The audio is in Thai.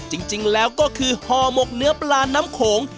จริงแล้วก็คือห่อหมกเนื้อปลาน้ำโขง